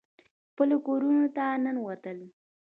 خپلو کورونو ته ننوتل.